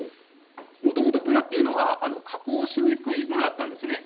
もともとブナは加工しにくいものだったんですね。